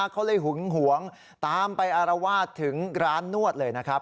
เขาเลยหึงหวงตามไปอารวาสถึงร้านนวดเลยนะครับ